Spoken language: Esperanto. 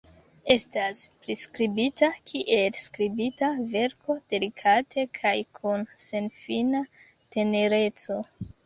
Estas priskribita kiel skribita verko delikate kaj kun senfina tenereco.